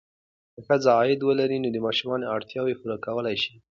که ښځه عاید ولري، نو د ماشومانو اړتیاوې پوره کولی شي.